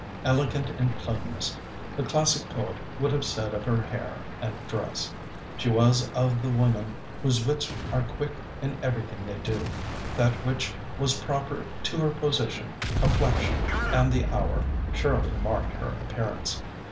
Elegant in plainness, the classic poet would have said of her hair and dress. She was of the women whose wits are quick in everything they do. That which was proper to her position, complexion, and the hour, surely marked her appearance.